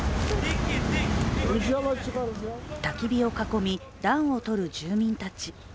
たき火を囲み暖をとる住民たち。